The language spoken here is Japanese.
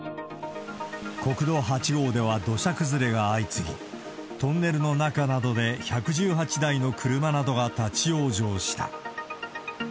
国道８号では土砂崩れが相次ぎ、トンネルの中などで１１８台の車などが立往生した。